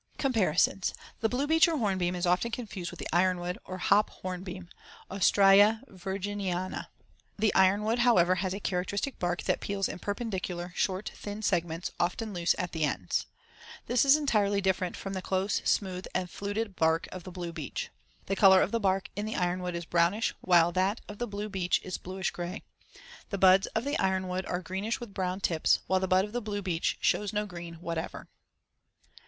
Comparisons: The blue beech or hornbeam is often confused with the ironwood or hop hornbeam (Ostrya virginiana). The ironwood, however, has a characteristic bark that peels in perpendicular, short, thin segments, often loose at the ends. See Fig. 55. This is entirely different from the close, smooth, and fluted bark of the blue beech. The color of the bark in the ironwood is brownish, while that of the blue beech is bluish gray. The buds of the ironwood are greenish with brown tips, while the bud of the blue beech shows no green whatever.